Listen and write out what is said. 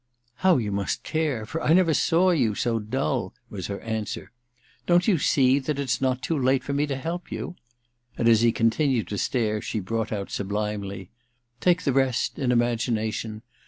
' How you must care !— for I never saw you so dull/ was her answer. * Don't you see that it's not too late for me to help you ?' And as he continued to stare, she brought out sublimely : *Take the rest — in imagination!